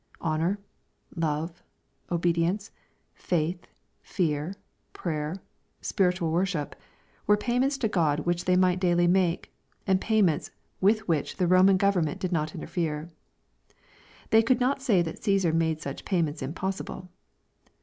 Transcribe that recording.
Honor, love, obedience, faith, fear, prayer, spiritual worship, were payments to God which they might daily make, and payments with which the Eoman government did not interfere. They could not say that Caesar made such payments impossible.